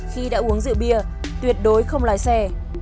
khi đã uống rượu bia tuyệt đối không lái xe